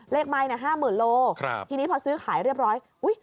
ไมค์๕๐๐๐โลทีนี้พอซื้อขายเรียบร้อยอุ้ย